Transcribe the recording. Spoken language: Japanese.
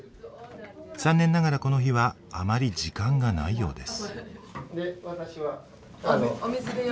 残念ながらこの日はあまり時間がないようです。